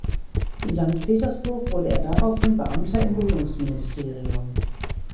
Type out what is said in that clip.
In Sankt Petersburg wurde er daraufhin Beamter im Bildungsministerium.